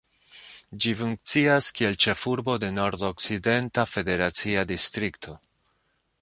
Ĝi funkcias kiel ĉefurbo de Nordokcidenta federacia distrikto.